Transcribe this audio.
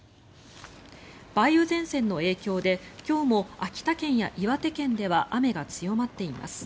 梅雨前線の影響で今日も秋田県や岩手県では雨が強まっています。